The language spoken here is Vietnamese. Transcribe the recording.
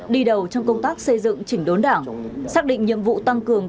đi đầu trong công tác xây dựng chỉnh đốn đảng xác định nhiệm vụ tăng cường